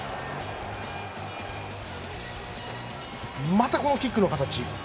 また、キックの形。